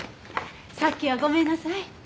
さっきはごめんなさい。